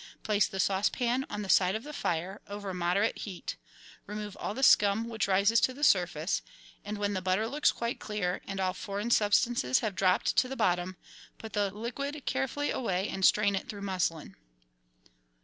Place the saucepan on the side of the fire, over moderate heat ; remove all the scum which rises to the surface, and, when the butter looks quite clear and all foreign substances have dropped to the bottom, put the liquid carefully away and strain it through muslin.